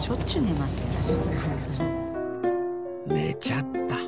寝ちゃった